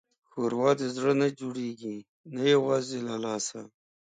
ښوروا د زړه نه جوړېږي، نه یوازې له لاسه.